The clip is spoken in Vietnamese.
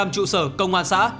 hai mươi năm trụ sở công an xã